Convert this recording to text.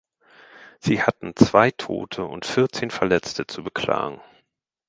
Sie hatten zwei Tote und vierzehn Verletzte zu beklagen.